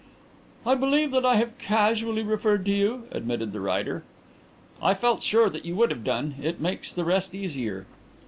"I believe that I have casually referred to you," admitted the writer. "I felt sure you would have done. It makes the rest easier.